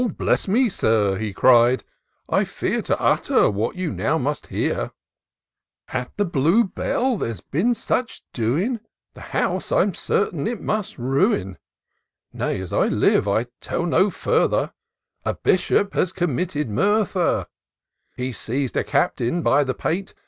bless me, Sir !" he cried, « I fear To utter, what you now must hear : At the Blue Bell there's been such doing — The house, I'm certain, it must ruin ; Nay, as I live, I'll teU no fiirther, — A bishop has committed murther I He seiz'd a captain by the pate.